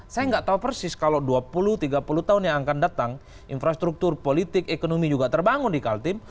saya nggak tahu persis kalau dua puluh tiga puluh tahun yang akan datang infrastruktur politik ekonomi juga terbangun di kaltim